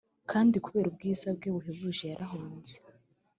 kandi kubera ubwiza bwe buhebuje yarahunze!